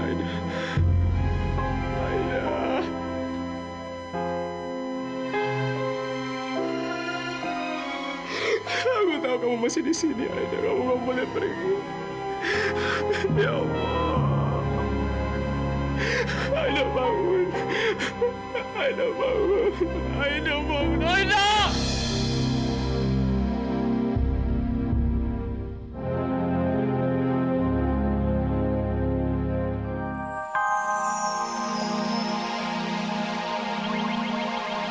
ini lukanya sudah komplikasi